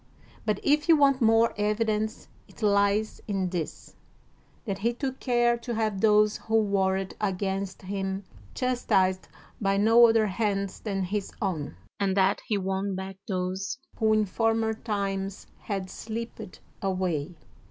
But if you want more evidence, it lies in this, that he took care to have those who warred against him chastised by no other hands than his own, and that he won back those who in former times had slipped away.